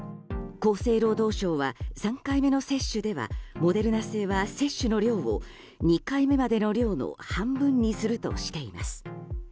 厚生労働省は３回目の接種ではモデルナ製は接種の量を２回目までの量の半分にするとしています。